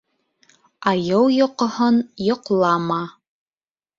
Айыу йоҡоһон йоҡлама